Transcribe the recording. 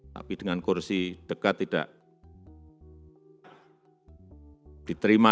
tapi dengan kursi dekat tidak diterima